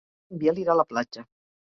Per Cap d'Any en Biel irà a la platja.